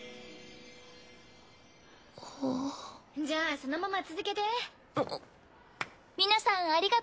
じゃあそのまま続けて。